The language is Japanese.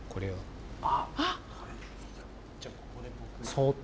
そっと。